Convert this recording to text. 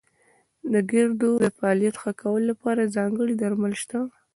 د ګردو د فعالیت ښه کولو لپاره ځانګړي درمل شته.